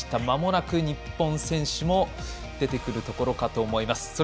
まもなく日本選手も出てくるところかと思います。